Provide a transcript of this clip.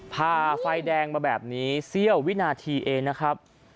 ผ่าไฟแดงมาแบบนี้เสี้ยววินาทีเองนะครับ